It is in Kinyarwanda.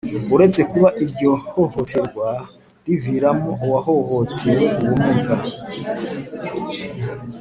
uretse kuba iryo hohoterwa riviramo uwahohotewe ubumuga